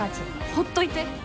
ほっといて。